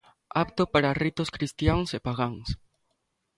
Apto para ritos cristiáns e pagáns.